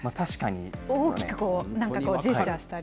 大きく、なんかこうジェスチャーしたり。